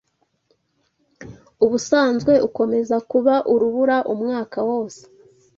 ubusanzwe ukomeza kuba urubura umwaka wose